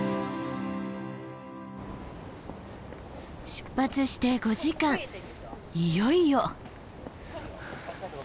出発して５時間いよいよ！